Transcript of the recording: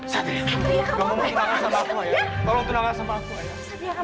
satria kamu tau apa